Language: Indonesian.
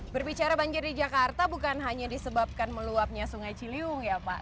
berbicara banjir di jakarta bukan hanya disebabkan meluapnya sungai ciliwung ya pak